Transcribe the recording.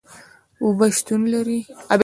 اوبه شتون لري